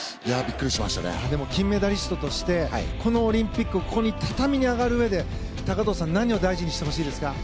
金メダリストとしてこのオリンピックここの畳に上がるうえで高藤さん何を大事にしてほしいですか？